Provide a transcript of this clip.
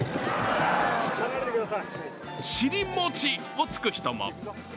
尻餅をつく人も。